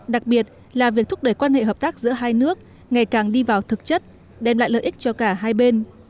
đặc biệt là việc thúc đẩy quan hệ hợp tác giữa hai nước ngày càng đi vào thực chất đem lại lợi ích cho cả hai bên